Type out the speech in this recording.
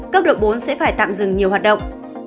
cấp độ bốn sẽ phải tạm dừng nhiều hoạt động